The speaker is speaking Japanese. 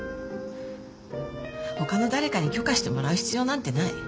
他の誰かに許可してもらう必要なんてない。